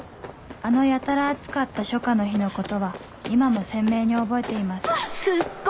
あのやたら暑かった初夏の日のことは今も鮮明に覚えていますあっ！